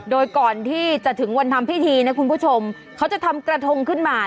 โดยก่อนที่จะถึงวันทำพิธีนะคุณผู้ชมเขาจะทำกระทงขึ้นมา